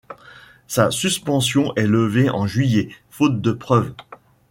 Sa suspension est levée en juillet, faute de preuves.